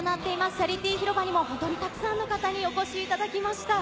チャリティー広場にもたくさんの方にお越しいただきました。